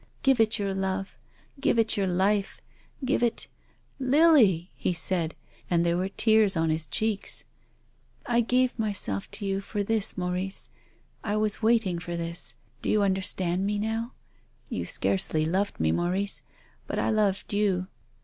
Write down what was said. Give it your love. Give it your life. Give it —"" Lily !" he said again. And there were tears on his cheeks. THE LIVING CHILD. 265 " I gave myself to you for this, Maurice. I was waiting for this. Do you understand me now ? You scarcely loved me, Maurice. But I loved you.